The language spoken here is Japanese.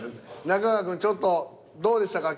中川くんちょっとどうでしたか？